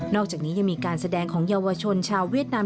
อกจากนี้ยังมีการแสดงของเยาวชนชาวเวียดนาม